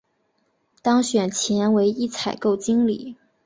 当选前为一采购经理。